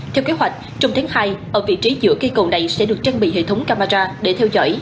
theo kế hoạch trong tháng hai ở vị trí giữa cây cầu này sẽ được trang bị hệ thống camera để theo dõi